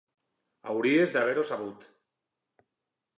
Hauries d'haver-ho sabut.